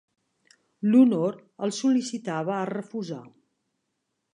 L'honor el sol·licitava a refusar.